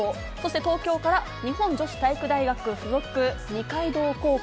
東京から日本女子体育大学附属二階堂高校。